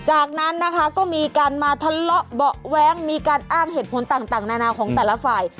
จากนั้นนะคะก็มีการมาทะเลาะเบาะแว้งมีการอ้างเหตุผลต่างนานาของแต่ละฝ่าย